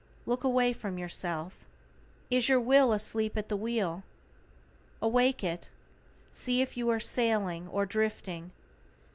Look away from yourself. =IS YOUR WILL ASLEEP AT THE WHEEL?= Awake it. See if you are sailing, or drifting.